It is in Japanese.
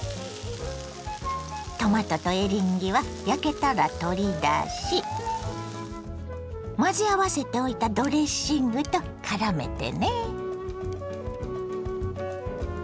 トマトとエリンギは焼けたら取り出し混ぜ合わせておいたドレッシングとからめてね。